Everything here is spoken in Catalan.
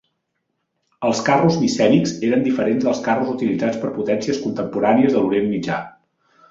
Els carros micènics eren diferents dels carros utilitzats per potències contemporànies de l'Orient Mitjà.